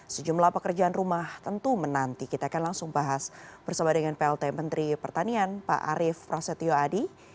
sejumlah pekerjaan rumah tentu menanti kita akan langsung bahas bersama dengan plt menteri pertanian pak arief prasetyo adi